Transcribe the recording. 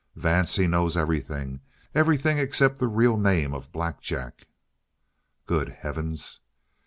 "Vance, he knows everything! Everything except the real name of Black Jack!" "Good heavens!"